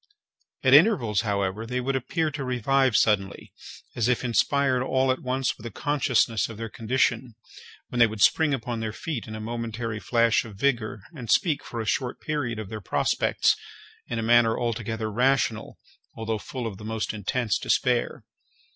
At intervals, however, they would appear to revive suddenly, as if inspired all at once with a consciousness of their condition, when they would spring upon their feet in a momentary flash of vigour, and speak, for a short period, of their prospects, in a manner altogether rational, although full of the most intense despair.